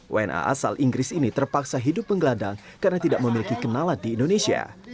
wna asal inggris ini terpaksa hidup menggelandang karena tidak memiliki kenalan di indonesia